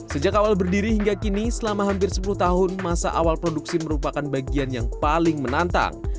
sejak awal berdiri hingga kini selama hampir sepuluh tahun masa awal produksi merupakan bagian yang paling menantang